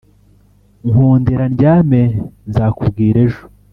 nkundira ndyame nzakubwira ejo"